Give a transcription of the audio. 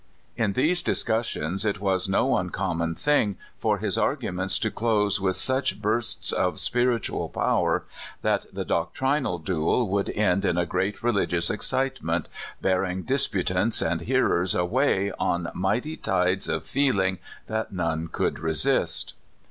In these discussions it was no uncommon thing for his arguments to close with such bursts of spiritual power that the doctrinal duel would end in a great religious excitement, bearing disputants and hearers away on mighty tides of feeling that none could resist.